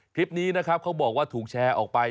คลิปนี้นะครับเขาบอกว่าถูกแชร์ออกไป